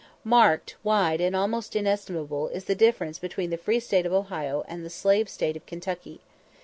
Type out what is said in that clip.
Marked, wide, and almost inestimable, is the difference between the free state of Ohio and the slave state of Kentucky.